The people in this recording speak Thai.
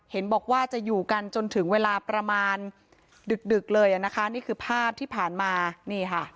เห็นบอกว่าจะอยู่กันจนถึงเวลาประมาณดึกดึกเลยอ่ะนะคะนี่คือภาพที่ผ่านมานี่ค่ะ